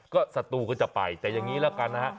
ก็ศัตรูก็จะไปแต่อย่างนี้แล้วกันนะฮะ